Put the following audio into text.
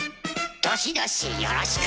どしどしよろしく！